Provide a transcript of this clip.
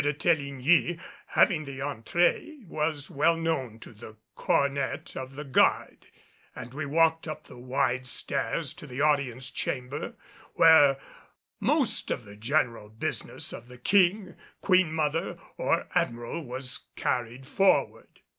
de Teligny, having the entrée, was well known to the cornet of the guard, and we walked up the wide stairs to the Audience Chamber, where most of the general business of the King, Queen mother or the Admiral was carried forward.